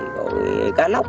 rồi cá lóc